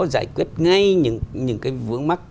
giải quyết ngay những cái vướng mắt